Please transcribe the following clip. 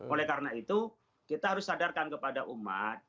oleh karena itu kita harus sadarkan kepada umat